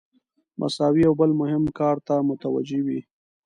مساوي یو بل مهم کار ته متوجه وي.